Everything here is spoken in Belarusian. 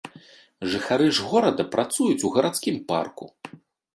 Жыхары ж горада працуюць у гарадскім парку.